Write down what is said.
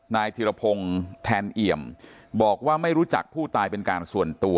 ธิรพงศ์แทนเอี่ยมบอกว่าไม่รู้จักผู้ตายเป็นการส่วนตัว